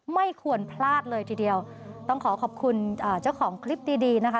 ไม่ควรพลาดเลยทีเดียวต้องขอขอบคุณอ่าเจ้าของคลิปดีดีนะคะ